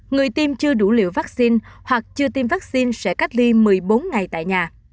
người tiêm chưa đủ liều vaccine hoặc chưa tiêm vaccine sẽ cách ly một mươi bốn ngày tại nhà